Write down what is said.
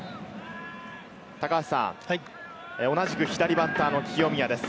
高橋さん、同じく左バッターの清宮です。